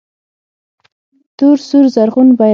تور سور زرغون بیرغ